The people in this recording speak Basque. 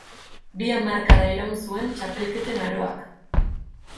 Bi hamarkada iraun zuen txapelketen aroak.